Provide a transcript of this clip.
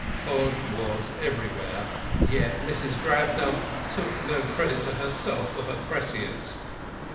Fog was everywhere, yet Mrs. Drabdump took no credit to herself for her prescience.